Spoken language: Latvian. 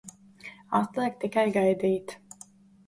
Atliek tikai gaidīt!